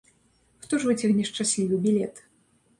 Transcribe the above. Хто ж выцягне шчаслівы білет?